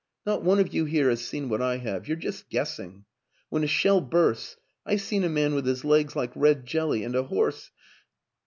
Not one of you here has seen what I have you're just guessing. When a shell bursts. ... I've seen a man with his legs like red jelly and a horse